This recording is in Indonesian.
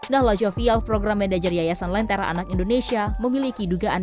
nahla jovial program medajer yayasan lentera anak indonesia memiliki dugaan